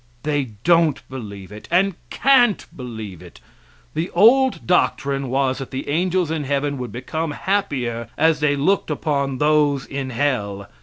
They don't believe it, and can't believe it. The old doctrine was that the angels in heaven would become happier as they looked upon those in hell.